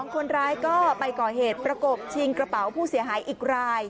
คนร้ายก็ไปก่อเหตุประกบชิงกระเป๋าผู้เสียหายอีกราย